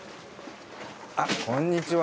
あっこんにちは。